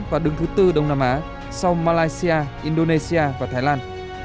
và đứng thứ tư đông nam á sau malaysia indonesia và thái lan